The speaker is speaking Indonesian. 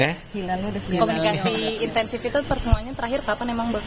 komunikasi intensif itu pertemuannya terakhir kapan emang